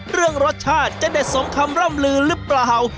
เรื่องรสชาติจะเด็ดสมคำร่ำลือหรือเปล่า